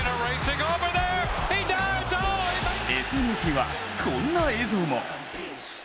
ＳＮＳにはこんな映像も。